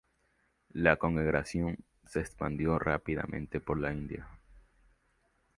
La congregación se expandió rápidamente por la India.